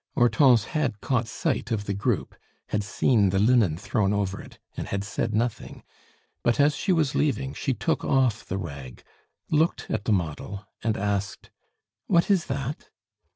Hortense had caught sight of the group, had seen the linen thrown over it, and had said nothing; but as she was leaving, she took off the rag, looked at the model, and asked: "What is that?"